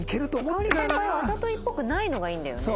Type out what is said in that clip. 香織先輩はあざといっぽくないのがいいんだよね。